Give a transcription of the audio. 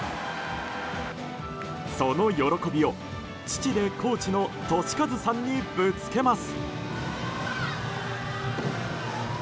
その喜びを父でコーチの俊一さんにぶつけます。